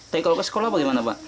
tapi kalau ke sekolah bagaimana pak